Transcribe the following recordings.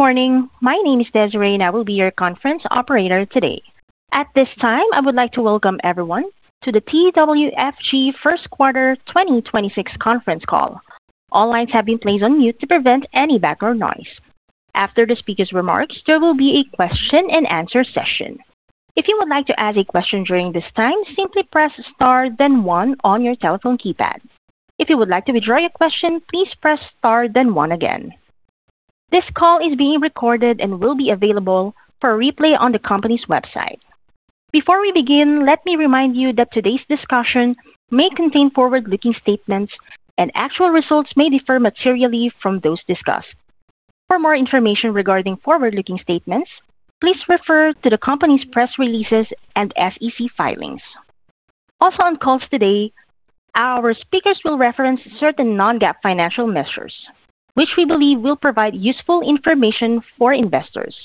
Good morning. My name is Desiree, and I will be your conference operator today. At this time, I would like to welcome everyone to the TWFG first quarter 2026 conference call. All lines have been placed on mute to prevent any background noise. After the speaker's remarks, there will be a question and answer session. If you would like to ask a question during this time, simply press star then one on your telephone keypad. If you would like to withdraw your question, please press star then one again. This call is being recorded and will be available for replay on the company's website. Before we begin, let me remind you that today's discussion may contain forward-looking statements, actual results may differ materially from those discussed. For more information regarding forward-looking statements, please refer to the company's press releases and SEC filings. On calls today, our speakers will reference certain non-GAAP financial measures, which we believe will provide useful information for investors.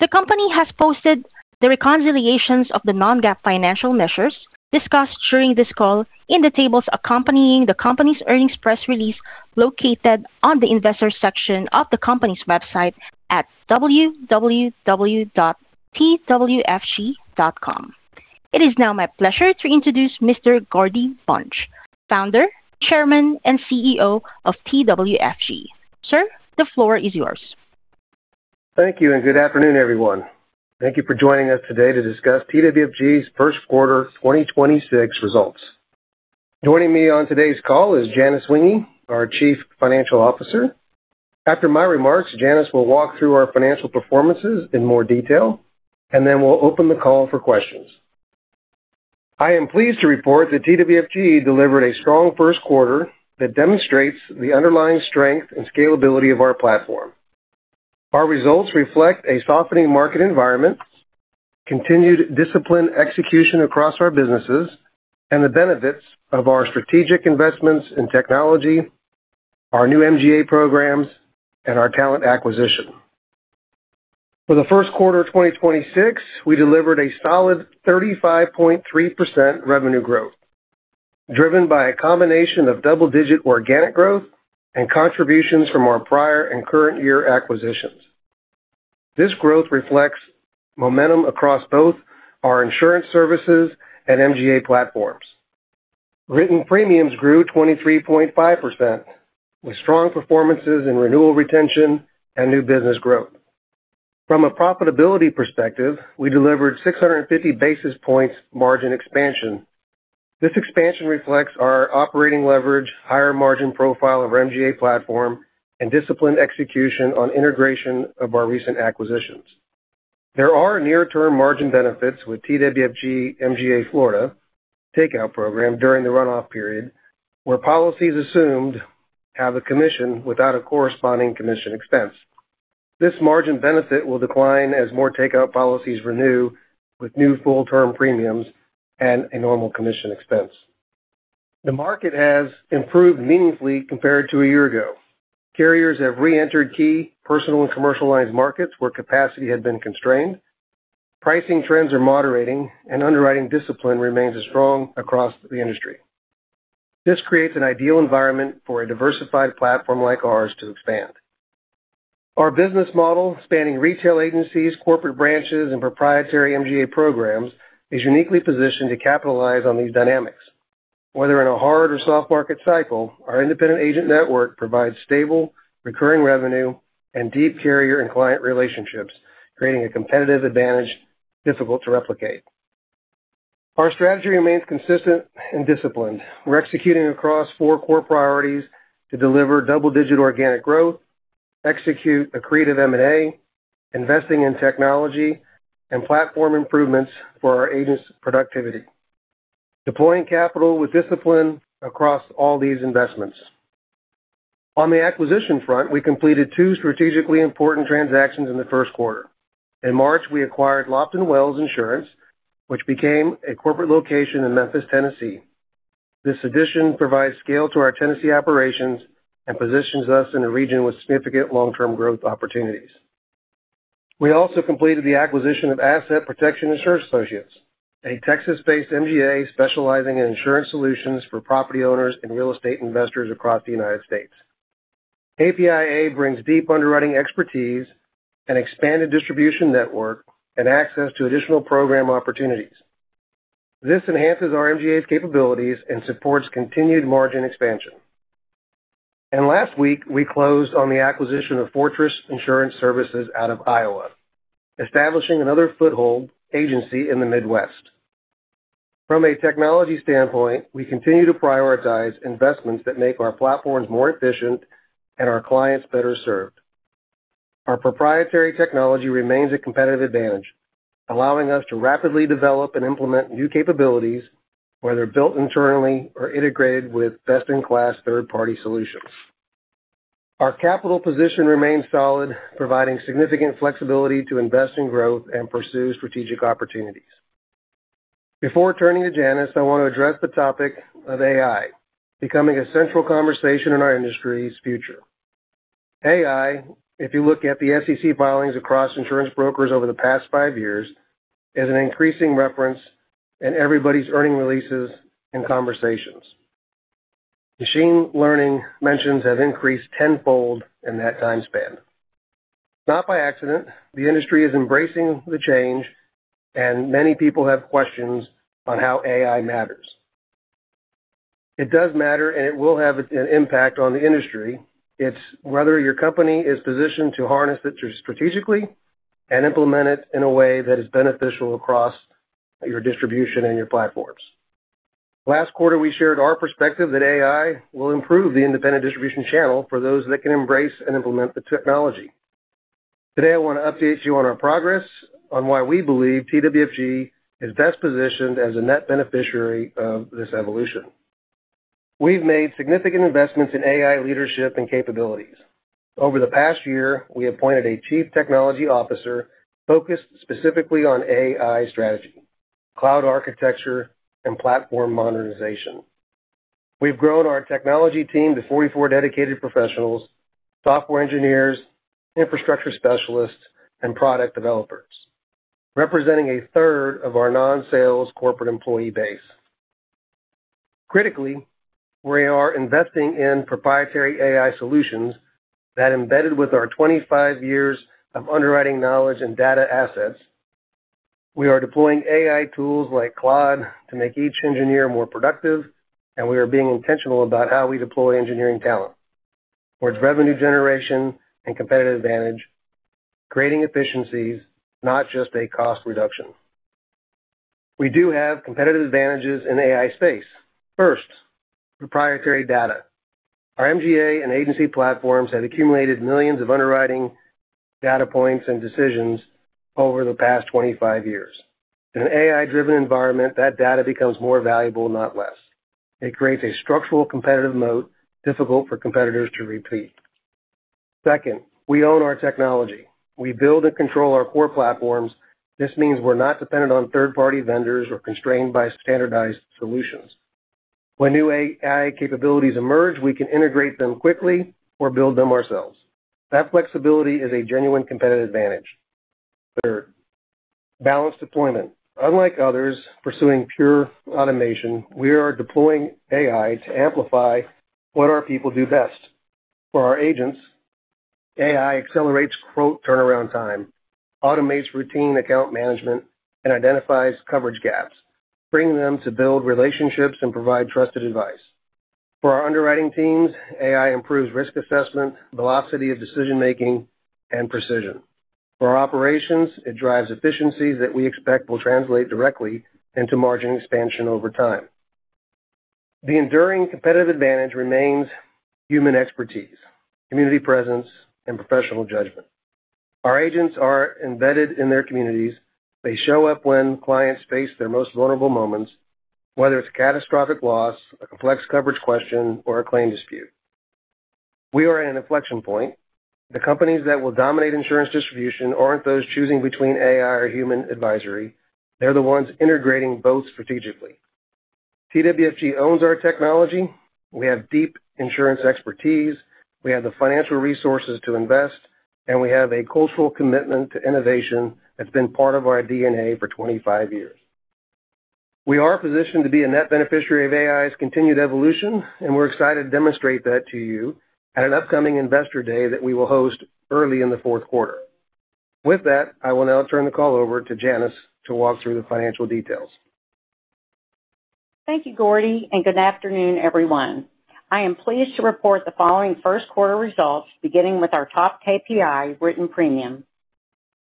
The company has posted the reconciliations of the non-GAAP financial measures discussed during this call in the tables accompanying the company's earnings press release located on the investor section of the company's website at www.twfg.com. It is now my pleasure to introduce Mr. Gordy Bunch, Founder, Chairman, and CEO of TWFG. Sir, the floor is yours. Thank you and good afternoon, everyone. Thank you for joining us today to discuss TWFG's first quarter 2026 results. Joining me on today's call is Janice Zwinggi, our Chief Financial Officer. After my remarks, Janice will walk through our financial performances in more detail, and then we'll open the call for questions. I am pleased to report that TWFG delivered a strong first quarter that demonstrates the underlying strength and scalability of our platform. Our results reflect a softening market environment, continued disciplined execution across our businesses, and the benefits of our strategic investments in technology, our new MGA programs, and our talent acquisition. For the first quarter of 2026, we delivered a solid 35.3% revenue growth, driven by a combination of double-digit organic growth and contributions from our prior and current year acquisitions. This growth reflects momentum across both our insurance services and MGA platforms. Written premiums grew 23.5%, with strong performances in renewal retention and new business growth. From a profitability perspective, we delivered 650 basis points margin expansion. This expansion reflects our operating leverage, higher margin profile of our MGA platform, and disciplined execution on integration of our recent acquisitions. There are near-term margin benefits with TWFG MGA Florida takeout program during the runoff period, where policies assumed have a commission without a corresponding commission expense. This margin benefit will decline as more takeout policies renew with new full-term premiums and a normal commission expense. The market has improved meaningfully compared to a year ago. Carriers have reentered key personal and commercial lines markets where capacity had been constrained. Pricing trends are moderating and underwriting discipline remains strong across the industry. This creates an ideal environment for a diversified platform like ours to expand. Our business model, spanning retail agencies, corporate branches, and proprietary MGA programs, is uniquely positioned to capitalize on these dynamics. Whether in a hard or soft market cycle, our independent agent network provides stable, recurring revenue and deep carrier and client relationships, creating a competitive advantage difficult to replicate. Our strategy remains consistent and disciplined. We're executing across four core priorities to deliver double-digit organic growth, execute accretive M&A, investing in technology and platform improvements for our agents' productivity, deploying capital with discipline across all these investments. On the acquisition front, we completed two strategically important transactions in the first quarter. In March, we acquired Lofton Wells Insurance, which became a corporate location in Memphis, Tennessee. This addition provides scale to our Tennessee operations and positions us in a region with significant long-term growth opportunities. We also completed the acquisition of Asset Protection Insurance Associates, a Texas-based MGA specializing in insurance solutions for property owners and real estate investors across the United States. APIA brings deep underwriting expertise, an expanded distribution network, and access to additional program opportunities. This enhances our MGA's capabilities and supports continued margin expansion. Last week, we closed on the acquisition of Fortress Insurance Services out of Iowa, establishing another foothold agency in the Midwest. From a technology standpoint, we continue to prioritize investments that make our platforms more efficient and our clients better served. Our proprietary technology remains a competitive advantage, allowing us to rapidly develop and implement new capabilities, whether built internally or integrated with best-in-class third-party solutions. Our capital position remains solid, providing significant flexibility to invest in growth and pursue strategic opportunities. Before turning to Janice, I want to address the topic of AI becoming a central conversation in our industry's future. AI, if you look at the SEC filings across insurance brokers over the past five years, is an increasing reference in everybody's earning releases and conversations. Machine learning mentions have increased tenfold in that time span. Not by accident, the industry is embracing the change and many people have questions on how AI matters. It does matter, and it will have an impact on the industry. It's whether your company is positioned to harness it strategically and implement it in a way that is beneficial across your distribution and your platforms. Last quarter, we shared our perspective that AI will improve the independent distribution channel for those that can embrace and implement the technology. Today, I want to update you on our progress on why we believe TWFG is best positioned as a net beneficiary of this evolution. We've made significant investments in AI leadership and capabilities. Over the past year, we appointed a chief technology officer focused specifically on AI strategy, cloud architecture, and platform modernization. We've grown our technology team to 44 dedicated professionals, software engineers, infrastructure specialists, and product developers, representing a third of our non-sales corporate employee base. Critically, we are investing in proprietary AI solutions that embedded with our 25 years of underwriting knowledge and data assets. We are deploying AI tools like Claude to make each engineer more productive, and we are being intentional about how we deploy engineering talent towards revenue generation and competitive advantage, creating efficiencies, not just a cost reduction. We do have competitive advantages in AI space. First, proprietary data. Our MGA and agency platforms have accumulated millions of underwriting data points and decisions over the past 25 years. In an AI-driven environment, that data becomes more valuable, not less. It creates a structural competitive moat difficult for competitors to repeat. Second, we own our technology. We build and control our core platforms. This means we're not dependent on third-party vendors or constrained by standardized solutions. When new AI capabilities emerge, we can integrate them quickly or build them ourselves. That flexibility is a genuine competitive advantage. Third, balanced deployment. Unlike others pursuing pure automation, we are deploying AI to amplify what our people do best. For our agents, AI accelerates quote turnaround time, automates routine account management, and identifies coverage gaps, bringing them to build relationships and provide trusted advice. For our underwriting teams, AI improves risk assessment, velocity of decision-making, and precision. For our operations, it drives efficiencies that we expect will translate directly into margin expansion over time. The enduring competitive advantage remains human expertise, community presence, and professional judgment. Our agents are embedded in their communities. They show up when clients face their most vulnerable moments, whether it's a catastrophic loss, a complex coverage question, or a claim dispute. We are at an inflection point. The companies that will dominate insurance distribution aren't those choosing between AI or human advisory. They're the ones integrating both strategically. TWFG owns our technology. We have deep insurance expertise, we have the financial resources to invest, and we have a cultural commitment to innovation that's been part of our DNA for 25 years. We are positioned to be a net beneficiary of AI's continued evolution, and we're excited to demonstrate that to you at an upcoming Investor Day that we will host early in the fourth quarter. With that, I will now turn the call over to Janice Zwinggi to walk through the financial details. Thank you, Gordy, and good afternoon, everyone. I am pleased to report the following first quarter results, beginning with our top KPI, written premium.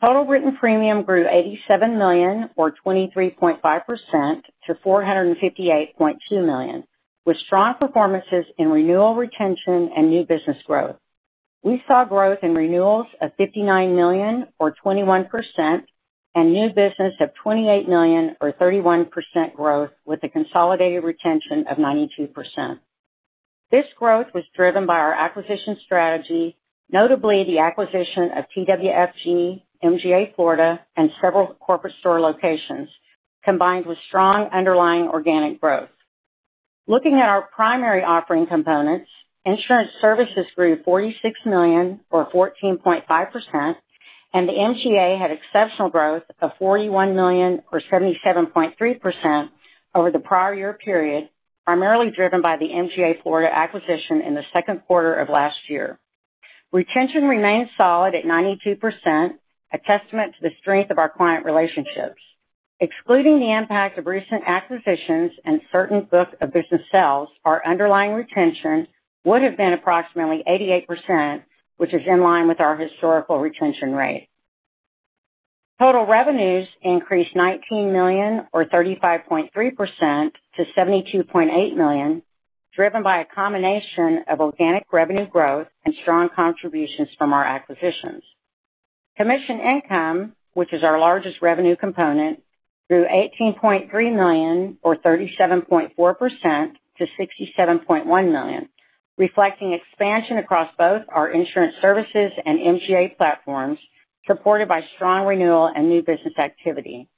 Total written premium grew $87 million or 23.5% to $458.2 million, with strong performances in renewal retention and new business growth. We saw growth in renewals of $59 million or 21% and new business of $28 million or 31% growth with a consolidated retention of 92%. This growth was driven by our acquisition strategy, notably the acquisition of TWFG MGA Florida, and several corporate store locations, combined with strong underlying organic growth. Looking at our primary offering components, insurance services grew $46 million or 14.5%, and the MGA had exceptional growth of $41 million or 77.3% over the prior year period, primarily driven by the TWFG MGA Florida acquisition in the second quarter of last year. Retention remains solid at 92%, a testament to the strength of our client relationships. Excluding the impact of recent acquisitions and certain books of business sales, our underlying retention would have been approximately 88%, which is in line with our historical retention rate. Total revenues increased $19 million or 35.3% to $72.8 million, driven by a combination of organic revenue growth and strong contributions from our acquisitions. Commission income, which is our largest revenue component, grew $18.3 million or 37.4% to $67.1 million, reflecting expansion across both our insurance services and MGA platforms, supported by strong renewal and new business activity.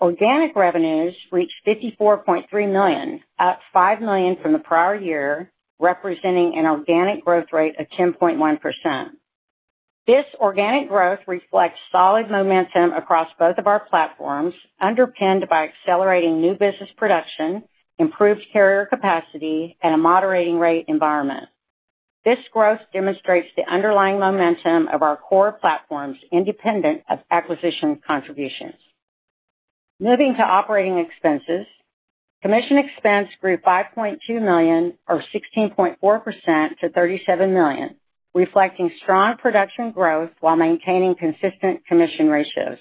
Organic revenues reached $54.3 million, up $5 million from the prior year, representing an organic growth rate of 10.1%. This organic growth reflects solid momentum across both of our platforms, underpinned by accelerating new business production, improved carrier capacity, and a moderating rate environment. This growth demonstrates the underlying momentum of our core platforms independent of acquisition contributions. Moving to operating expenses. Commission expense grew $5.2 million or 16.4% to $37 million, reflecting strong production growth while maintaining consistent commission ratios.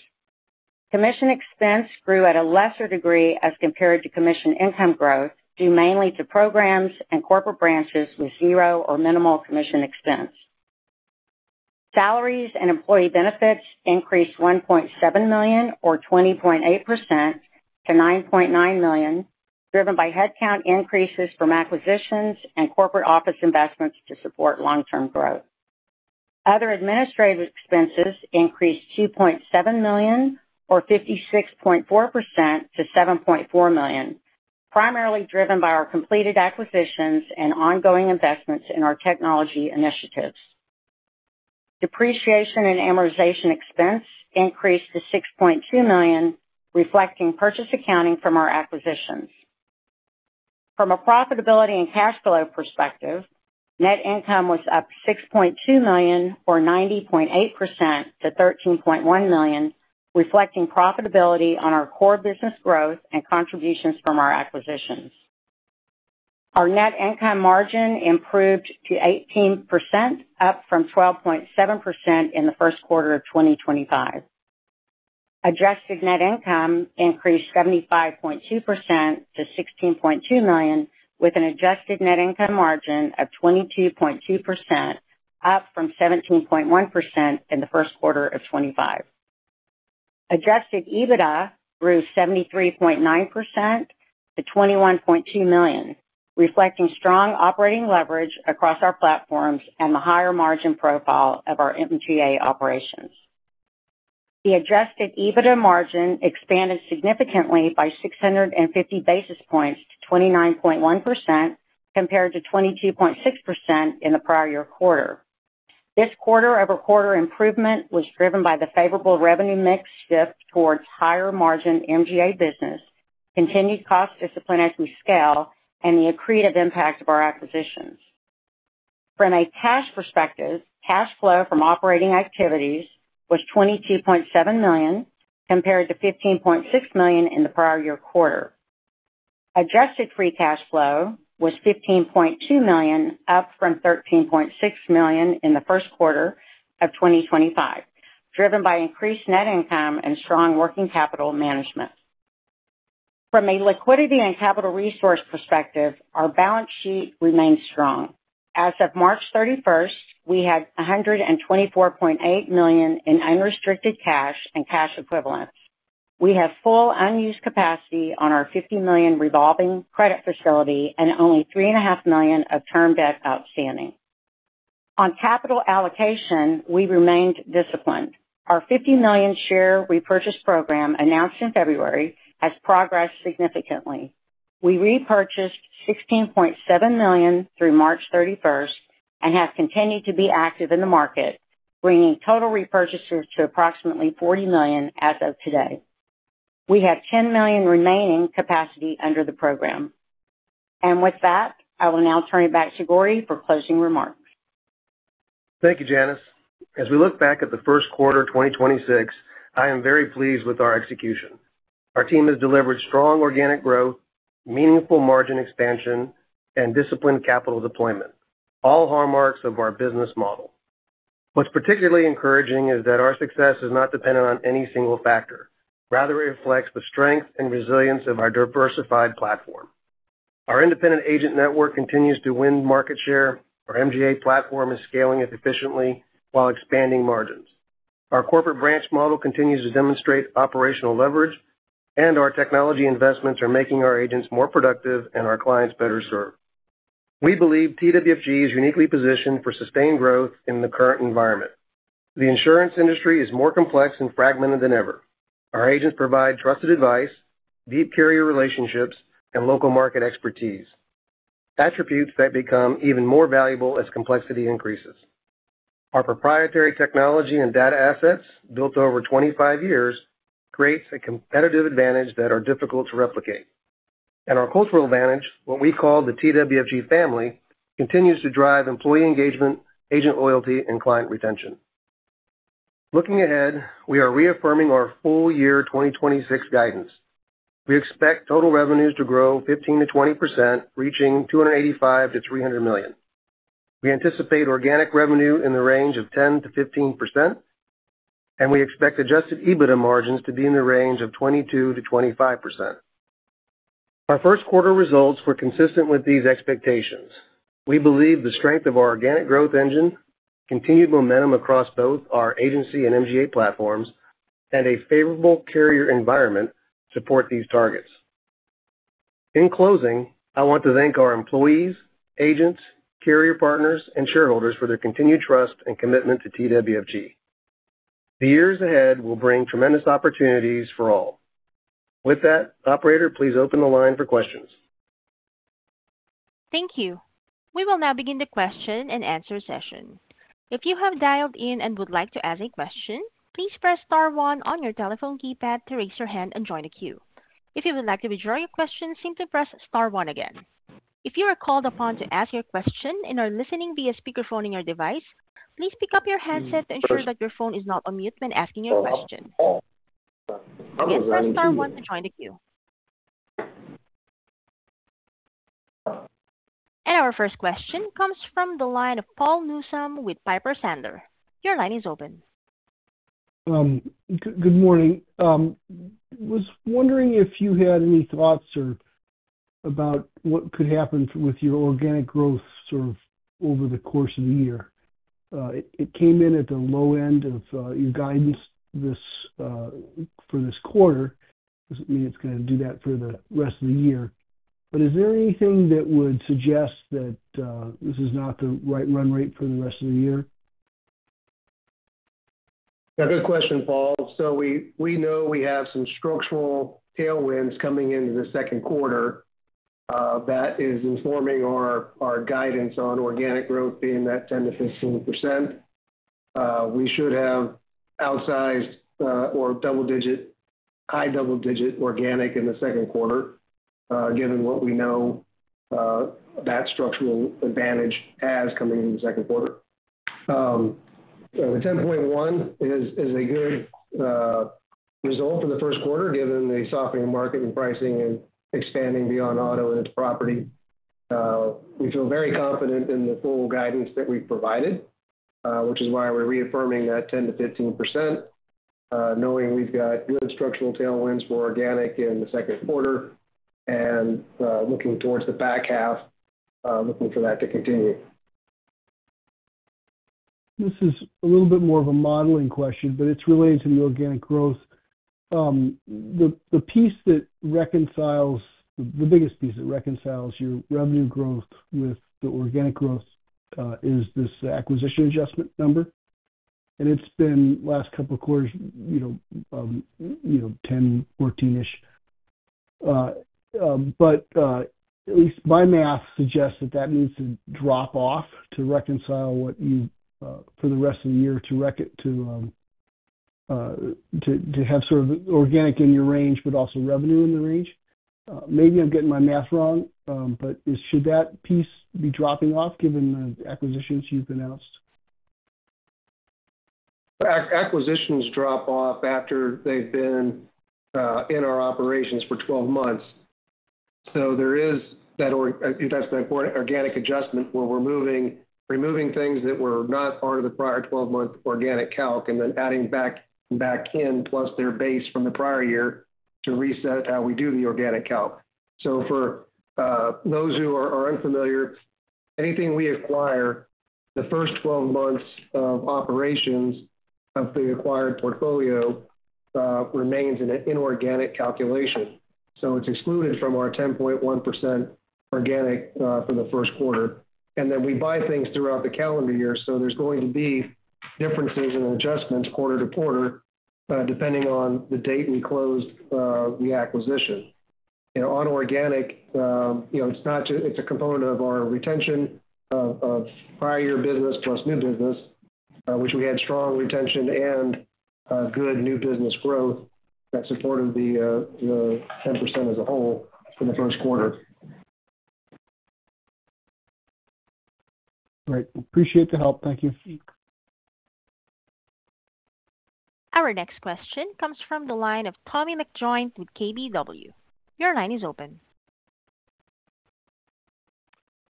Commission expense grew at a lesser degree as compared to commission income growth, due mainly to programs and corporate branches with zero or minimal commission expense. Salaries and employee benefits increased $1.7 million or 20.8% to $9.9 million, driven by headcount increases from acquisitions and corporate office investments to support long-term growth. Other administrative expenses increased $2.7 million or 56.4% to $7.4 million, primarily driven by our completed acquisitions and ongoing investments in our technology initiatives. Depreciation and amortization expense increased to $6.2 million, reflecting purchase accounting from our acquisitions. From a profitability and cash flow perspective, net income was up $6.2 million or 90.8% to $13.1 million, reflecting profitability on our core business growth and contributions from our acquisitions. Our net income margin improved to 18%, up from 12.7% in the first quarter of 2025. Adjusted net income increased 75.2% to $16.2 million, with an adjusted net income margin of 22.2%, up from 17.1% in the first quarter of 2025. Adjusted EBITDA grew 73.9% to $21.2 million, reflecting strong operating leverage across our platforms and the higher margin profile of our MGA operations. The Adjusted EBITDA margin expanded significantly by 650 basis points to 29.1% compared to 22.6% in the prior year quarter. This quarter-over-quarter improvement was driven by the favorable revenue mix shift towards higher margin MGA business, continued cost discipline as we scale, and the accretive impact of our acquisitions. From a cash perspective, cash flow from operating activities was $22.7 million compared to $15.6 million in the prior year quarter. Adjusted free cash flow was $15.2 million, up from $13.6 million in the first quarter of 2025, driven by increased net income and strong working capital management. From a liquidity and capital resource perspective, our balance sheet remains strong. As of March 31st, we had $124.8 million in unrestricted cash and cash equivalents. We have full unused capacity on our $50 million revolving credit facility and only $3.5 million of term debt outstanding. On capital allocation, we remained disciplined. Our $50 million share repurchase program announced in February has progressed significantly. We repurchased $16.7 million through March 31st and have continued to be active in the market, bringing total repurchases to approximately $40 million as of today. We have $10 million remaining capacity under the program. With that, I will now turn it back to Gordy for closing remarks. Thank you, Janice. As we look back at the first quarter 2026, I am very pleased with our execution. Our team has delivered strong organic growth, meaningful margin expansion, and disciplined capital deployment, all hallmarks of our business model. What's particularly encouraging is that our success is not dependent on any single factor, rather it reflects the strength and resilience of our diversified platform. Our independent agent network continues to win market share. Our MGA platform is scaling efficiently while expanding margins. Our corporate branch model continues to demonstrate operational leverage, and our technology investments are making our agents more productive and our clients better served. We believe TWFG is uniquely positioned for sustained growth in the current environment. The insurance industry is more complex and fragmented than ever. Our agents provide trusted advice, deep carrier relationships, and local market expertise, attributes that become even more valuable as complexity increases. Our proprietary technology and data assets built over 25 years creates a competitive advantage that are difficult to replicate. Our cultural advantage, what we call the TWFG family, continues to drive employee engagement, agent loyalty, and client retention. Looking ahead, we are reaffirming our full year 2026 guidance. We expect total revenues to grow 15%-20%, reaching $285 million-$300 million. We anticipate organic revenue in the range of 10%-15%. We expect Adjusted EBITDA margins to be in the range of 22%-25%. Our first quarter results were consistent with these expectations. We believe the strength of our organic growth engine, continued momentum across both our agency and MGA platforms, and a favorable carrier environment support these targets. In closing, I want to thank our employees, agents, carrier partners, and shareholders for their continued trust and commitment to TWFG. The years ahead will bring tremendous opportunities for all. With that, operator, please open the line for questions. Thank you. We will now begin the question and answer session. If you have dialed in and would like to ask a question, please press star one on your telephone keypad to raise your hand and join the queue. If you would like to withdraw your question, simply press star one again. If you are called upon to ask your question and are listening via speakerphone in your device, please pick up your handset to ensure that your phone is not on mute when asking your question. Again, press star one to join the queue. Our first question comes from the line of Paul Newsome with Piper Sandler. Your line is open. Good morning. I was wondering if you had any thoughts or about what could happen with your organic growth sort of over the course of the year. It came in at the low end of your guidance this for this quarter. Doesn't mean it's gonna do that for the rest of the year. Is there anything that would suggest that this is not the right run rate for the rest of the year? Yeah. Good question, Paul. We know we have some structural tailwinds coming into the second quarter, that is informing our guidance on organic growth being that 10%-15%. We should have outsized, or double digit, high double digit organic in the second quarter, given what we know, that structural advantage has coming into the second quarter. The 10.1 is a good result for the first quarter, given the softening market and pricing and expanding beyond auto and its property. We feel very confident in the full guidance that we've provided, which is why we're reaffirming that 10%-15%, knowing we've got good structural tailwinds for organic in the second quarter and looking towards the back half, looking for that to continue. This is a little bit more of a modeling question, but it's related to the organic growth. The biggest piece that reconciles your revenue growth with the organic growth, is this acquisition adjustment number, and it's been last couple of quarters, you know, 10, 14-ish. At least my math suggests that that needs to drop off to reconcile what you for the rest of the year to rec it to have sort of organic in your range but also revenue in the range. Maybe I'm getting my math wrong, should that piece be dropping off given the acquisitions you've announced? Acquisitions drop off after they've been in our operations for 12 months. There is that or you tested for organic adjustment where we're moving, removing things that were not part of the prior 12-month organic calc and then adding back in plus their base from the prior year to reset how we do the organic calc. For those who are unfamiliar, anything we acquire the first 12 months of operations of the acquired portfolio remains in an inorganic calculation. It's excluded from our 10.1% organic for the first quarter. Then we buy things throughout the calendar year, so there's going to be differences in adjustments quarter to quarter depending on the date we closed the acquisition. You know, on organic, you know, it's a component of our retention of prior year business plus new business, which we had strong retention and good new business growth that supported the 10% as a whole for the first quarter. Great. Appreciate the help. Thank you. Our next question comes from the line of Tommy McJoynt with KBW. Your line is open.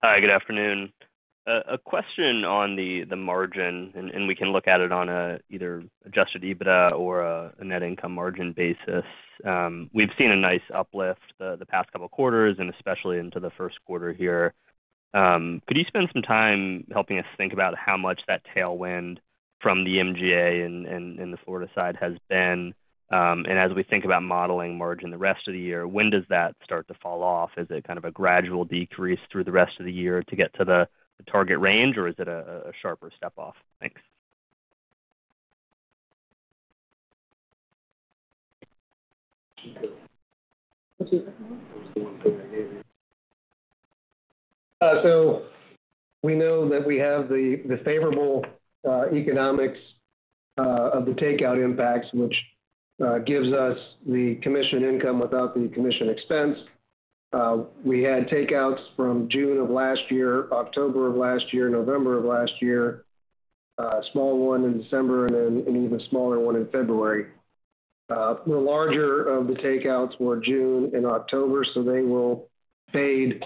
Hi. Good afternoon. A question on the margin, and we can look at it on either Adjusted EBITDA or a net income margin basis. We've seen a nice uplift the past two quarters and especially into the first quarter here. Could you spend some time helping us think about how much that tailwind from the MGA in the Florida side has been? As we think about modeling margin the rest of the year, when does that start to fall off? Is it kind of a gradual decrease through the rest of the year to get to the target range, or is it a sharper step off? Thanks. We know that we have the favorable economics of the takeout impacts, which gives us the commission income without the commission expense. We had takeouts from June of last year, October of last year, November of last year, small one in December and then an even smaller one in February. The larger of the takeouts were June and October, so they will fade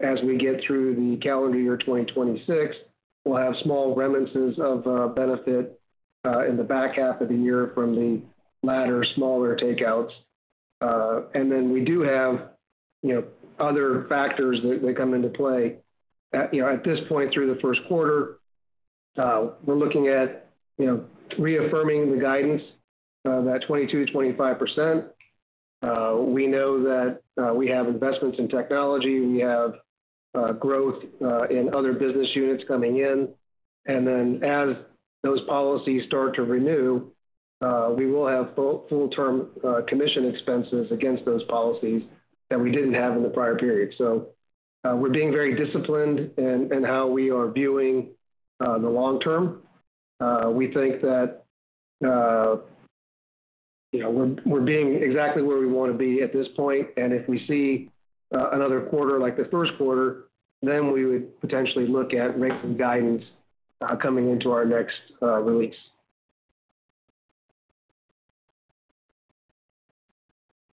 as we get through the calendar year 2026. We'll have small remnants of benefit in the back half of the year from the latter smaller takeouts. And then we do have, you know, other factors that come into play. You know, at this point through the first quarter, we're looking at, you know, reaffirming the guidance of that 22%-25%. We know that we have investments in technology. We have growth in other business units coming in. Then as those policies start to renew, we will have full-term commission expenses against those policies that we didn't have in the prior period. We're being very disciplined in how we are viewing the long term. We think that, you know, we're being exactly where we wanna be at this point. If we see another quarter like the first quarter, then we would potentially look at making guidance coming into our next release.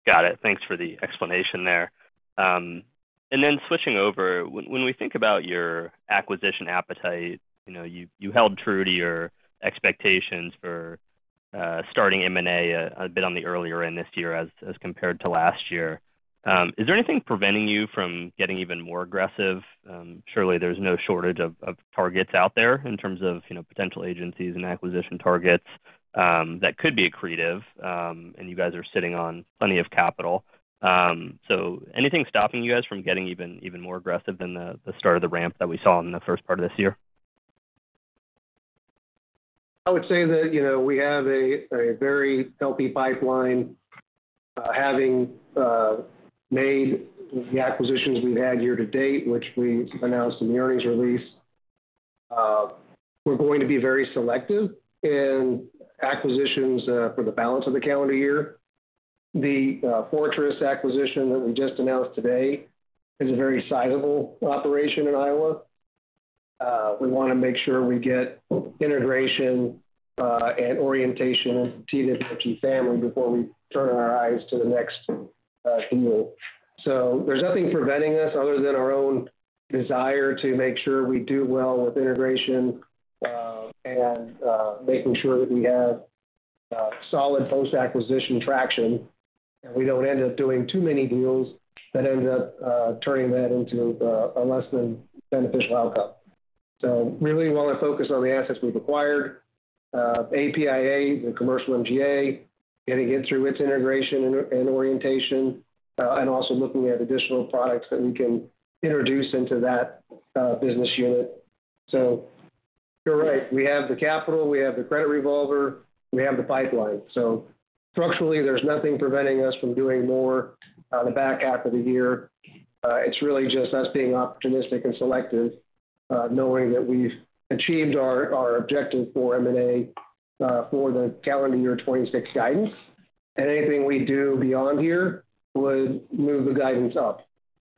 Got it. Thanks for the explanation there. Then switching over, when we think about your acquisition appetite, you know, you held true to your expectations for starting M&A a bit on the earlier end this year as compared to last year. Is there anything preventing you from getting even more aggressive? Surely there's no shortage of targets out there in terms of, you know, potential agencies and acquisition targets that could be accretive, and you guys are sitting on plenty of capital. Anything stopping you guys from getting even more aggressive than the start of the ramp that we saw in the first part of this year? I would say that, you know, we have a very healthy pipeline, having made the acquisitions we've had year to date, which we announced in the earnings release. We're going to be very selective in acquisitions for the balance of the calendar year. The Fortress acquisition that we just announced today is a very sizable operation in Iowa. We wanna make sure we get integration and orientation into the TWFG family before we turn our eyes to the next deal. There's nothing preventing us other than our own desire to make sure we do well with integration and making sure that we have solid post-acquisition traction, and we don't end up doing too many deals that end up turning that into a less than beneficial outcome. Really wanna focus on the assets we've acquired. APIA, the commercial MGA, getting it through its integration and orientation, and also looking at additional products that we can introduce into that business unit. You're right, we have the capital, we have the credit revolver, we have the pipeline. Structurally, there's nothing preventing us from doing more the back half of the year. It's really just us being opportunistic and selective, knowing that we've achieved our objective for M&A for the calendar year 2026 guidance. Anything we do beyond here would move the guidance up.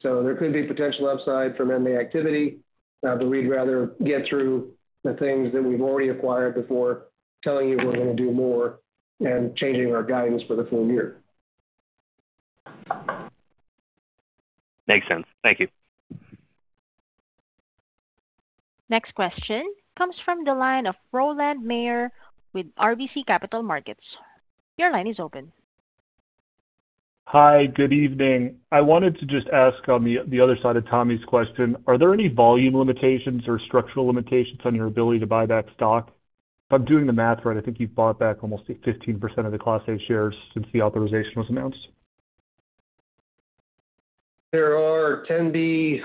There could be potential upside from M&A activity, but we'd rather get through the things that we've already acquired before telling you we're gonna do more and changing our guidance for the full year. Makes sense. Thank you. Next question comes from the line of Rowland Mayor with RBC Capital Markets. Your line is open. Hi, good evening. I wanted to just ask on the other side of Tommy's question, are there any volume limitations or structural limitations on your ability to buy back stock? If I'm doing the math right, I think you've bought back almost 15% of the Class A shares since the authorization was announced. There are Rule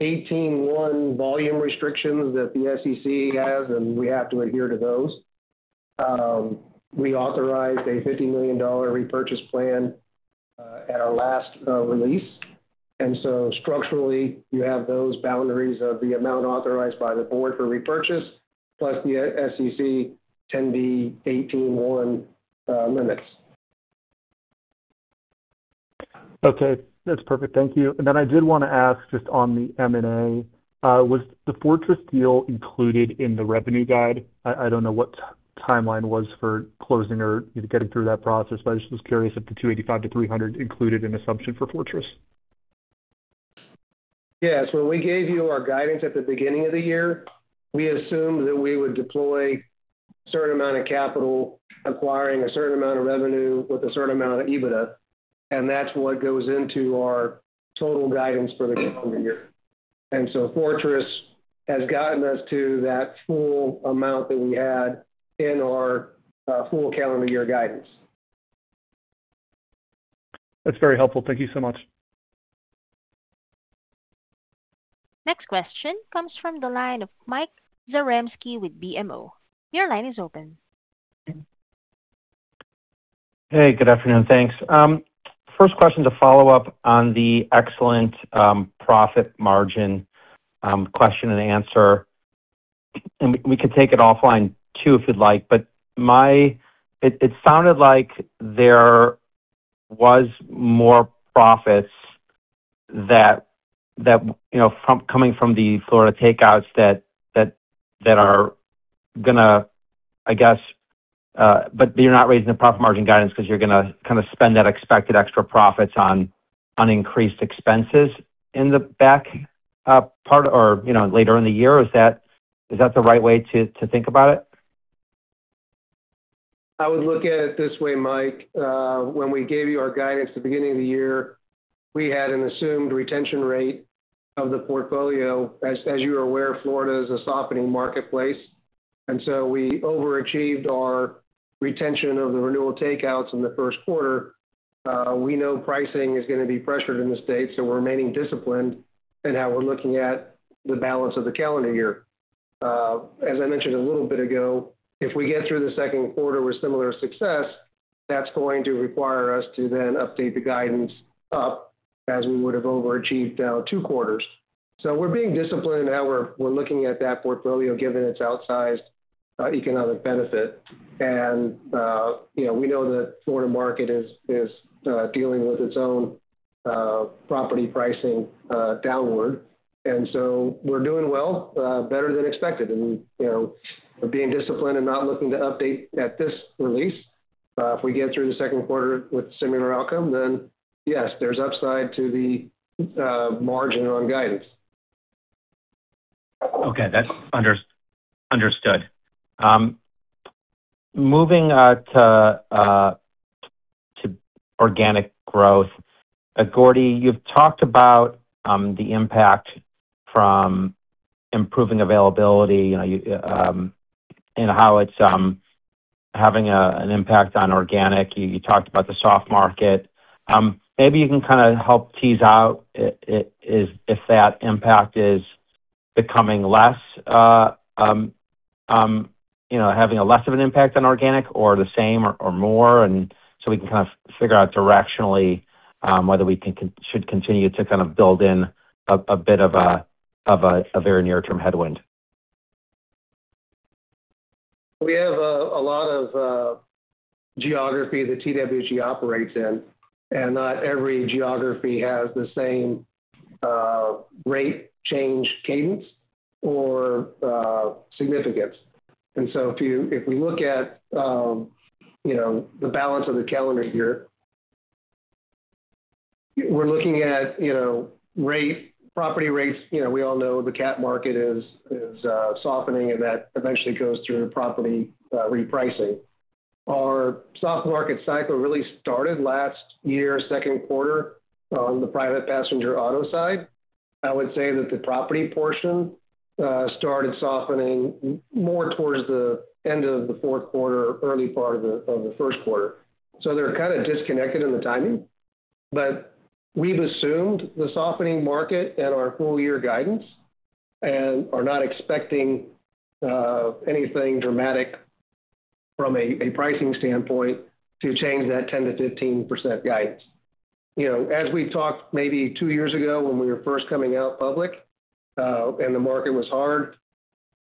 10b-18 volume restrictions that the SEC has, and we have to adhere to those. We authorized a $50 million repurchase plan, at our last release. Structurally, you have those boundaries of the amount authorized by the board for repurchase, plus the SEC Rule 10b-18 limits. Okay. That's perfect. Thank you. I did wanna ask just on the M&A, was the Fortress deal included in the revenue guide? I don't know what timeline was for closing or getting through that process, but I just was curious if the $285 million-$300 million included an assumption for Fortress. Yes. When we gave you our guidance at the beginning of the year, we assumed that we would deploy a certain amount of capital, acquiring a certain amount of revenue with a certain amount of EBITDA, and that's what goes into our total guidance for the calendar year. Fortress has gotten us to that full amount that we had in our full calendar year guidance. That's very helpful. Thank you so much. Next question comes from the line of Mike Zaremski with BMO. Your line is open. Hey, good afternoon. Thanks. First question to follow up on the excellent profit margin question and answer. We, we could take it offline too, if you'd like. It sounded like there was more profits that, you know, coming from the Florida takeouts that are gonna, I guess, but you're not raising the profit margin guidance 'cause you're gonna kinda spend that expected extra profits on increased expenses in the back part or, you know, later in the year. Is that the right way to think about it? I would look at it this way, Mike. When we gave you our guidance at the beginning of the year, we had an assumed retention rate of the portfolio. As you are aware, Florida is a softening marketplace. We overachieved our retention of the renewal takeouts in the first quarter. We know pricing is going to be pressured in the states, so we're remaining disciplined in how we're looking at the balance of the calendar year. As I mentioned a little bit ago, if we get through the second quarter with similar success, that's going to require us to then update the guidance up as we would have overachieved down 2 quarters. We're being disciplined in how we're looking at that portfolio, given its outsized economic benefit. You know, we know the Florida market is dealing with its own property pricing downward. We're doing well, better than expected. You know, we're being disciplined and not looking to update at this release. If we get through the second quarter with similar outcome, then yes, there's upside to the margin on guidance. Okay. That's understood. Moving to organic growth. Gordy, you've talked about the impact from improving availability, you know, and how it's having an impact on organic. You talked about the soft market. Maybe you can kind of help tease out if that impact is becoming less, you know, having a less of an impact on organic or the same or more. So we can kind of figure out directionally whether we should continue to kind of build in a bit of a very near-term headwind. We have a lot of geography that TWFG operates in. Not every geography has the same rate change cadence or significance. If we look at, you know, the balance of the calendar year, we're looking at, you know, rate, property rates. You know, we all know the cat market is softening and that eventually goes through property repricing. Our soft market cycle really started last year, second quarter on the private passenger auto side. I would say that the property portion started softening more towards the end of the fourth quarter, early part of the first quarter. They're kind of disconnected in the timing, but we've assumed the softening market at our full year guidance and are not expecting anything dramatic from a pricing standpoint to change that 10%-15% guidance. You know, as we talked maybe two years ago when we were first coming out public, and the market was hard,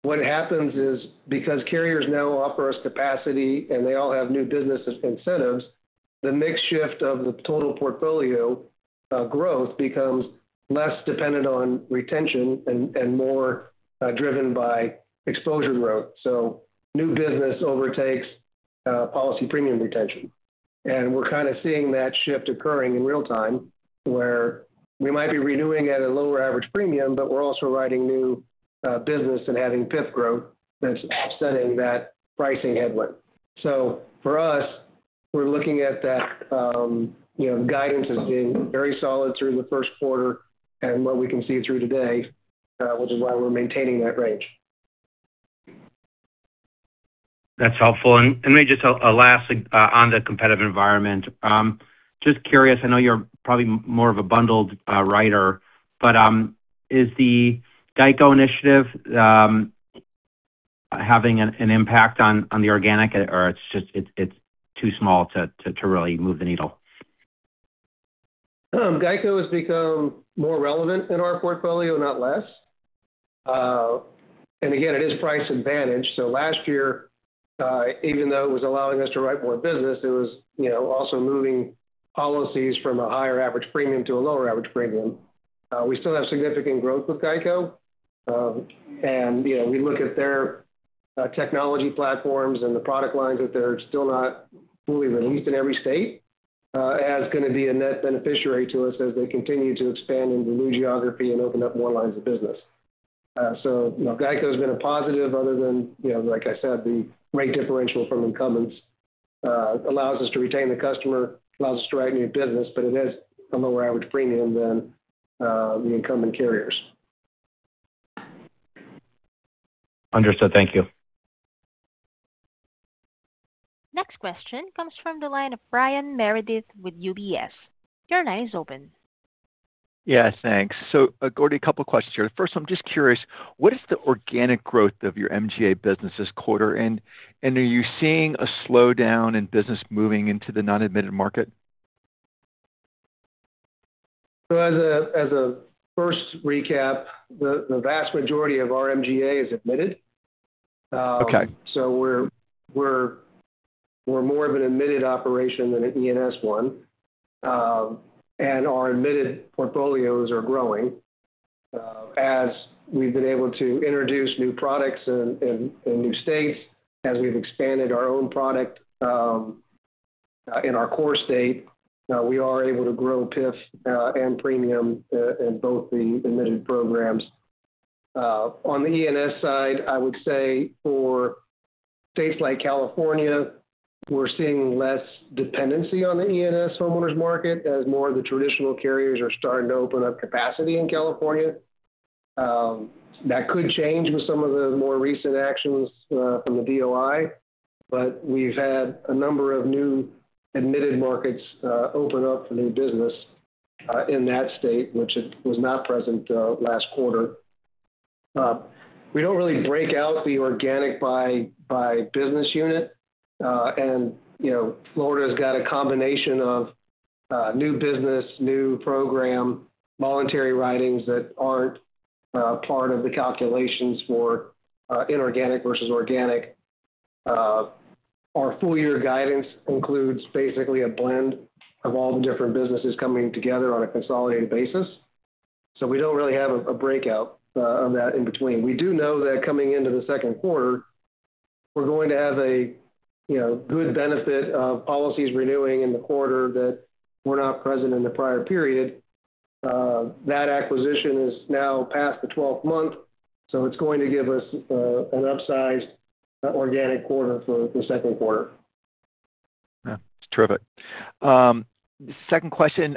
what happens is, because carriers now offer us capacity and they all have new business as incentives, the mix shift of the total portfolio growth becomes less dependent on retention and more driven by exposure growth. New business overtakes policy premium retention. We're kind of seeing that shift occurring in real time, where we might be renewing at a lower average premium, but we're also writing new business and adding PIF growth that's offsetting that pricing headwind. For us, we're looking at that, you know, guidance as being very solid through the first quarter and what we can see through today, which is why we're maintaining that range. That's helpful. Maybe just a last on the competitive environment. Just curious, I know you're probably more of a bundled writer, but is the GEICO initiative having an impact on the organic or it's just, it's too small to really move the needle? GEICO has become more relevant in our portfolio, not less. Again, it is price advantage. Last year, even though it was allowing us to write more business, it was, you know, also moving policies from a higher average premium to a lower average premium. We still have significant growth with GEICO. You know, we look at their technology platforms and the product lines that they're still not fully released in every state, as gonna be a net beneficiary to us as they continue to expand into new geography and open up more lines of business. You know, GEICO's been a positive other than, you know, like I said, the rate differential from incumbents, allows us to retain the customer, allows us to write new business, but it is a lower average premium than the incumbent carriers. Understood. Thank you. Next question comes from the line of Brian Meredith with UBS. Your line is open. Yeah, thanks. Gordy, a couple questions here. First, I'm just curious, what is the organic growth of your MGA business this quarter? Are you seeing a slowdown in business moving into the non-admitted market? As a first recap, the vast majority of our MGA is admitted. Okay. We're more of an admitted operation than an E&S one. Our admitted portfolios are growing. As we've been able to introduce new products in new states, as we've expanded our own product in our core state, we are able to grow PIF and premium in both the admitted programs. On the E&S side, I would say for states like California, we're seeing less dependency on the E&S homeowners market as more of the traditional carriers are starting to open up capacity in California. That could change with some of the more recent actions from the DOI, but we've had a number of new admitted markets open up for new business in that state, which it was not present last quarter. We don't really break out the organic by business unit. You know, Florida's got a combination of new business, new program, voluntary writings that aren't part of the calculations for inorganic versus organic. Our full year guidance includes basically a blend of all the different businesses coming together on a consolidated basis, so we don't really have a breakout on that in between. We do know that coming into the second quarter, we're going to have a, you know, good benefit of policies renewing in the quarter that were not present in the prior period. That acquisition is now past the 12th month, so it's going to give us an upsized organic quarter for the second quarter. Yeah. Terrific. Second question.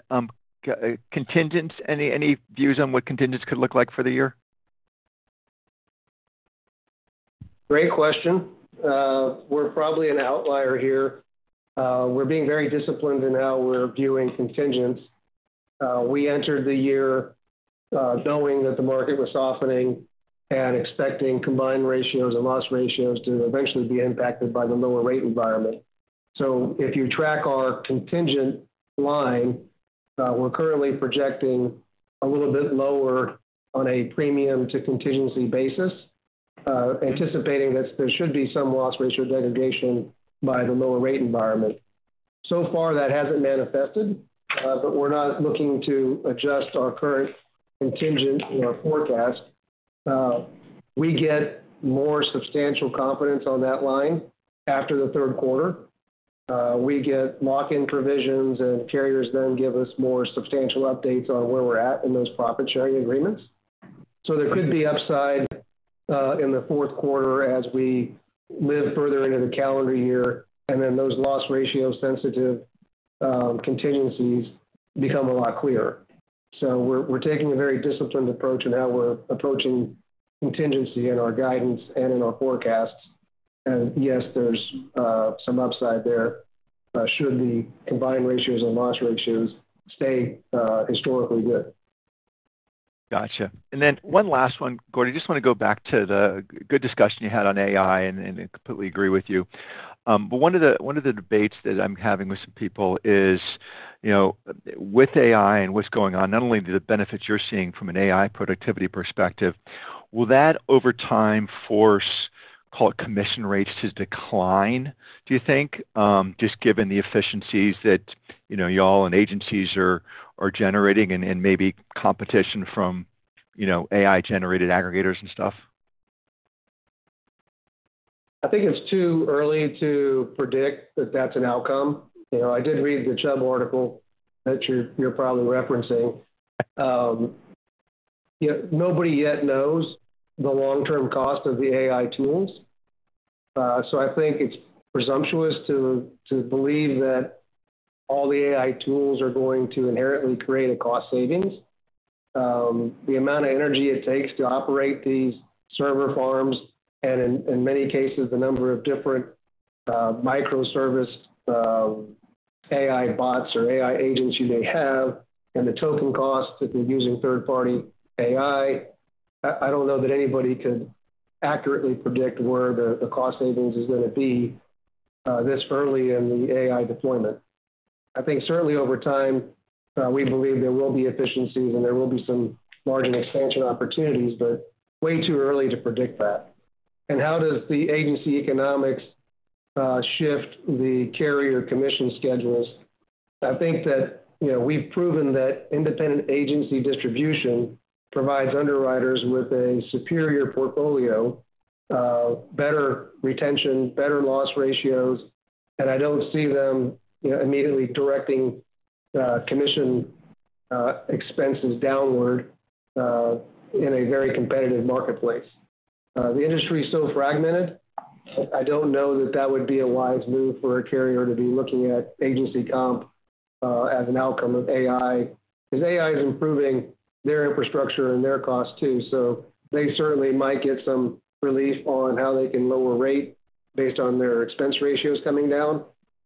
Contingents. Any views on what contingents could look like for the year? Great question. We're probably an outlier here. We're being very disciplined in how we're viewing contingents. We entered the year, knowing that the market was softening and expecting combined ratios and loss ratios to eventually be impacted by the lower rate environment. If you track our contingent line, we're currently projecting a little bit lower on a premium to contingency basis, anticipating this, there should be some loss ratio elevation by the lower rate environment. So far, that hasn't manifested, but we're not looking to adjust our current contingent in our forecast. We get more substantial confidence on that line after the third quarter. We get lock-in provisions, and carriers then give us more substantial updates on where we're at in those profit-sharing agreements. There could be upside in the fourth quarter as we live further into the calendar year, and then those loss ratio sensitive contingencies become a lot clearer. We're taking a very disciplined approach in how we're approaching contingency in our guidance and in our forecasts. Yes, there's some upside there should the combined ratios and loss ratios stay historically good. Gotcha. Then one last one, Gordy. I just want to go back to the good discussion you had on AI and completely agree with you. One of the debates that I'm having with some people is, you know, with AI and what's going on, not only the benefits you're seeing from an AI productivity perspective, will that over time force, call it, commission rates to decline, do you think? Just given the efficiencies that, you know, y'all and agencies are generating and maybe competition from, you know, AI-generated aggregators and stuff. I think it's too early to predict that that's an outcome. You know, I did read the Chubb article that you're probably referencing. You know, nobody yet knows the long-term cost of the AI tools. I think it's presumptuous to believe that all the AI tools are going to inherently create a cost savings. The amount of energy it takes to operate these server farms, and in many cases, the number of different microservice AI bots or AI agents you may have, and the token cost if you're using third-party AI, I don't know that anybody could accurately predict where the cost savings is gonna be this early in the AI deployment. I think certainly over time, we believe there will be efficiencies, and there will be some margin expansion opportunities, but way too early to predict that. How does the agency economics shift the carrier commission schedules? I think that, you know, we've proven that independent agency distribution provides underwriters with a superior portfolio, better retention, better loss ratios, and I don't see them, you know, immediately directing commission expenses downward in a very competitive marketplace. The industry is so fragmented. I don't know that that would be a wise move for a carrier to be looking at agency comp as an outcome of AI, because AI is improving their infrastructure and their costs too. They certainly might get some relief on how they can lower rate based on their expense ratios coming down,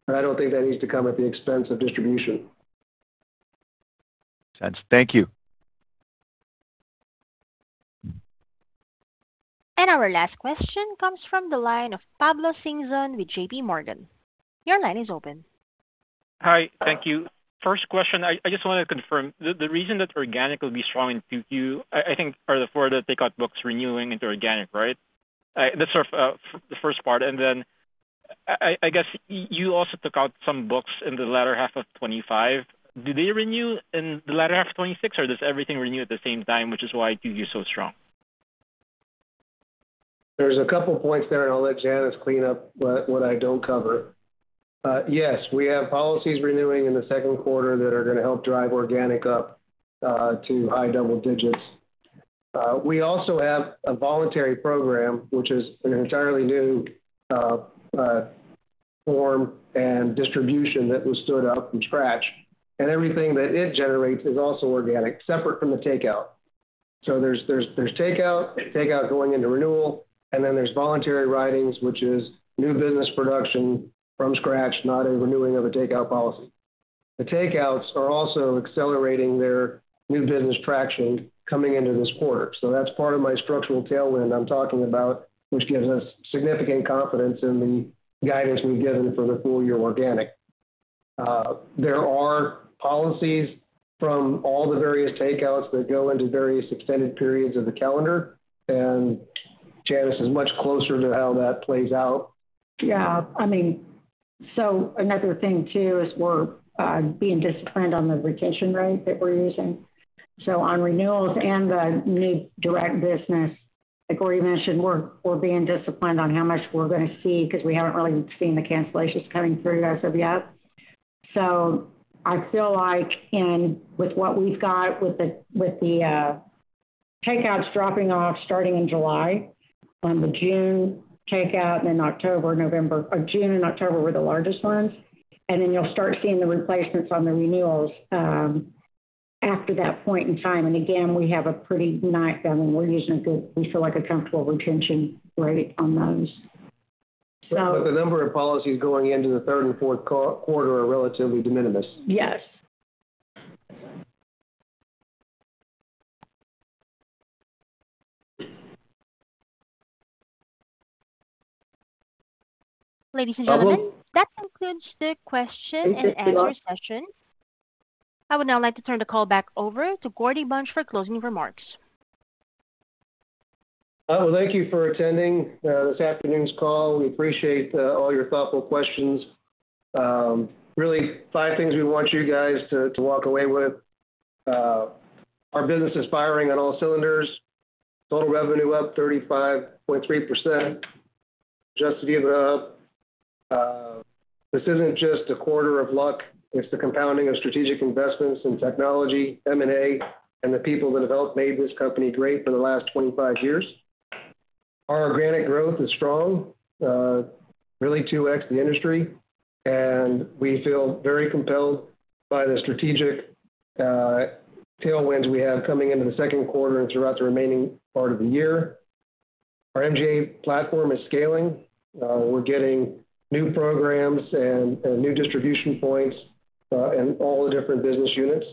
but I don't think that needs to come at the expense of distribution. Thanks. Thank you. Our last question comes from the line of Pablo Singzon with JPMorgan, your line is open. Hi. Thank you. First question, I just want to confirm, the reason that organic will be strong in Q2, I think are the Florida takeout books renewing into organic, right? That's sort of the first part. Then I guess you also took out some books in the latter half of 2025. Do they renew in the latter half of 2026, or does everything renew at the same time, which is why Q2 is so strong? There's a couple points there, and I'll let Janice clean up what I don't cover. Yes, we have policies renewing in the second quarter that are gonna help drive organic up to high double digits. We also have a voluntary program, which is an entirely new form and distribution that was stood up from scratch. Everything that it generates is also organic, separate from the takeout. There's takeout going into renewal, and then there's voluntary writings, which is new business production from scratch, not a renewing of a takeout policy. The takeouts are also accelerating their new business traction coming into this quarter. That's part of my structural tailwind I'm talking about, which gives us significant confidence in the guidance we've given for the full year organic. There are policies from all the various takeouts that go into various extended periods of the calendar. Janice is much closer to how that plays out. I mean, another thing too is we're being disciplined on the retention rate that we're using. On renewals and the new direct business, like Gordy mentioned, we're being disciplined on how much we're gonna see 'cause we haven't really seen the cancellations coming through as of yet. I feel like in, with what we've got with the, with the takeouts dropping off starting in July, on the June takeout, and then October, November. June and October were the largest ones. Then you'll start seeing the replacements on the renewals after that point in time. Again, we have a pretty nice, I mean, we're using a good, we feel like a comfortable retention rate on those. The number of policies going into the third and fourth quarter are relatively de minimis. Yes. Ladies and gentlemen, that concludes the question and answer session. I would now like to turn the call back over to Gordy Bunch for closing remarks. Thank you for attending this afternoon's call. We appreciate all your thoughtful questions. Really five things we want you guys to walk away with. Our business is firing on all cylinders. Total revenue up 35.3%. Just to give it up, this isn't just a quarter of luck, it's the compounding of strategic investments in technology, M&A, and the people that have helped made this company great for the last 25 years. Our organic growth is strong, really 2x the industry, and we feel very compelled by the strategic tailwinds we have coming into the second quarter and throughout the remaining part of the year. Our MGA platform is scaling. We're getting new programs and new distribution points and all the different business units.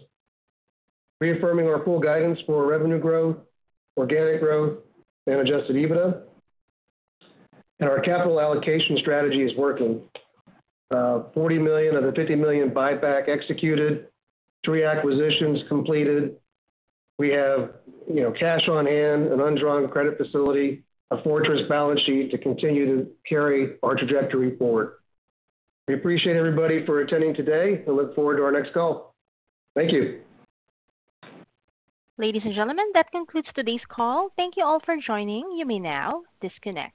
Reaffirming our full guidance for revenue growth, organic growth, and Adjusted EBITDA. Our capital allocation strategy is working. $40 million of the $50 million buyback executed, three acquisitions completed. We have, you know, cash on hand, an undrawn credit facility, a fortress balance sheet to continue to carry our trajectory forward. We appreciate everybody for attending today and look forward to our next call. Thank you. Ladies and gentlemen, that concludes today's call. Thank you all for joining. You may now disconnect.